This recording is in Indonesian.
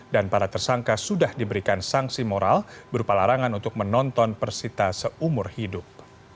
para tersangka sudah diberikan sanksi moral berupa larangan untuk menonton persita seumur hidup